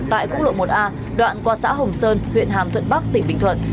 tại quốc lộ một a đoạn qua xã hồng sơn huyện hàm thuận bắc tỉnh bình thuận